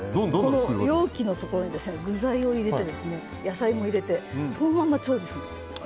容器のところに具材を入れて野菜も入れてそのまま調理するんです。